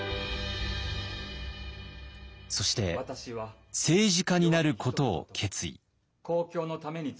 そして政治家になることを決意。